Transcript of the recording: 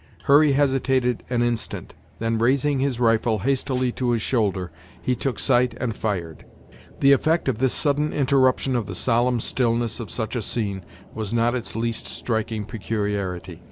Hurry hesitated an instant; then raising his rifle hastily to his shoulder, he took sight and fired. The effect of this sudden interruption of the solemn stillness of such a scene was not its least striking peculiarity.